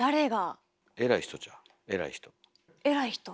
偉い人？